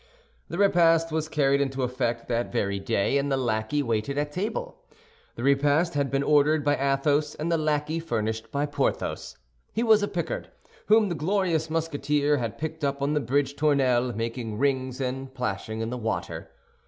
The repast was carried into effect that very day, and the lackey waited at table. The repast had been ordered by Athos, and the lackey furnished by Porthos. He was a Picard, whom the glorious Musketeer had picked up on the Bridge Tournelle, making rings and plashing in the water.